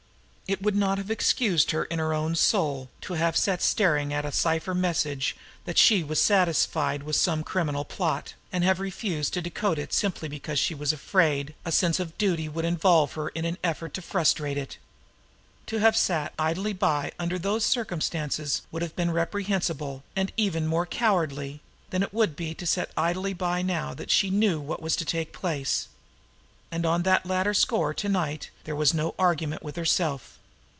It would not have excused her in her own soul to have sat staring at a cipher message that she was satisfied was some criminal plot, and have refused to decode it simply because she was afraid a sense of duty would involve her in an effort to frustrate it. To have sat idly by under those circumstances would have been as reprehensible and even more cowardly than it would be to sit idly by now that she knew what was to take place. And on that latter score to night there was no argument with herself.